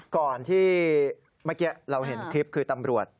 ก่อนที่เมื่อกี้เราเห็นคลิปคือตำรวจ